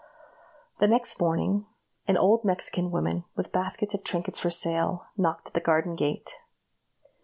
The next morning, an old Mexican woman, with baskets of trinkets for sale, knocked at the garden gate.